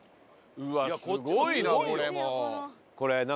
うわっすごいなこれも。